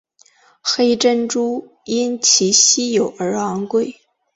黑珍珠因其稀有而昂贵。